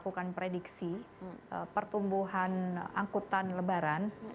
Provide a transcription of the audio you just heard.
melakukan prediksi pertumbuhan angkutan lebaran